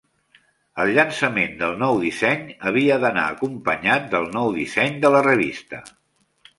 El llançament del nou disseny havia d'anar acompanyat del nou disseny de la revista.